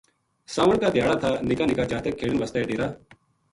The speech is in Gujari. ساون کا دھیاڑا تھا نِکا نِکا جاتک کھیڈن واسطے ڈیرا